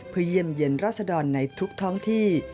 เพื่อเยี่ยมเยี่ยนราษดรในทุกท้องที่